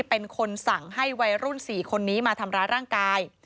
เป็นคนสั่งให้วัยรุ่น๔คนนี้มาทำร้ายร่างกาย